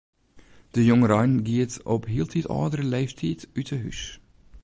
De jongerein giet op hieltyd âldere leeftiid út 'e hús.